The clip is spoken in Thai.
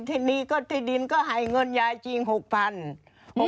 ทีนี้ก็ที่ดินก็ให้เงินยายจริง๖๐๐บาท